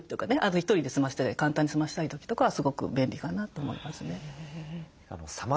１人で済ましたり簡単に済ませたい時とかはすごく便利かなと思いますね。